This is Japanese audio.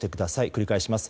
繰り返します。